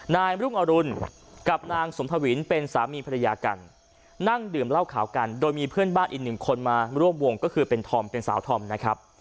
นายรุ่งอรุณกับนางสมทวินเป็นสามีภรรยากันนั่งดื่มเหล้าขาวกันโดยมีเพื่อนบ้านอีกหนึ่งคนมาร่วมวงก็คือเป็นธอมเป็นสาวธอมนะครับ